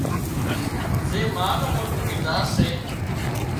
زين ما نو موٽو ڪردار سي